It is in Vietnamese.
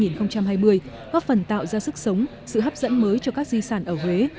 góp phần tạo ra sức sống sự hấp dẫn mới cho các di sản ở huế